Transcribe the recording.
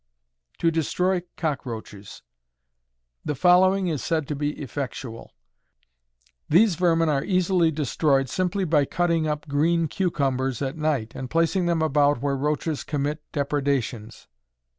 To Destroy Cockroaches. The following is said to be effectual: These vermin are easily destroyed, simply by cutting up green cucumbers at night, and placing them about where roaches commit depredations.